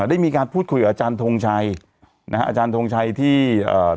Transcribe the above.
ได้มีการพูดคุยกับอาจารย์ทงชัยนะฮะอาจารย์ทงชัยที่เอ่อ